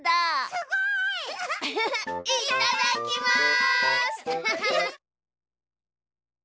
すごい！いっただっきます！